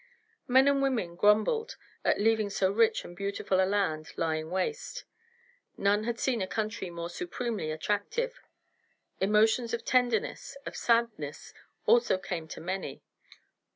Men and women grumbled at leaving so rich and beautiful a land lying waste. None had seen a country more supremely attractive. Emotions of tenderness, of sadness, also came to many.